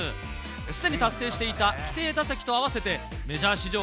すでに達成していた規定打席と合わせて、メジャー史上